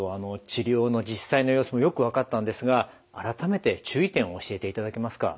治療の実際の様子もよく分かったんですが改めて注意点を教えていただけますか？